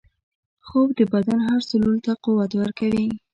خوب د بدن هر سلول ته قوت ورکوي